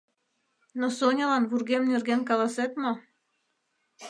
Но Сонялан вургем нерген каласет мо?